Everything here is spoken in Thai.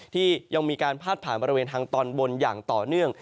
ที่ยังมีการพาดผ่านบริเวณทางตอนบนอย่างต่อเนื่อง